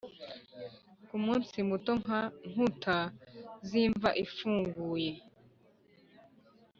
kumunsi muto nka nkuta z'imva ifunguye